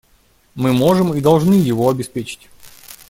Мы можем и должны его обеспечить.